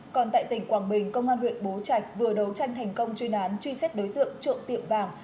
còn tại tỉnh quảng bình công an huyện bố trạch vừa đấu tranh thành công chuyên án truy xét đối tượng trộm tiệm vàng